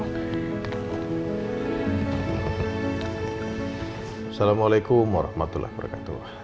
assalamualaikum warahmatullah wabarakatuh